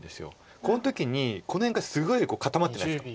この時にこの辺がすごい固まってないですか。